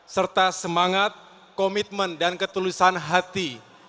serta semangat komitmen dan ketulusan hati